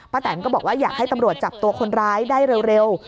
แตนก็บอกว่าอยากให้ตำรวจจับตัวคนร้ายได้เร็ว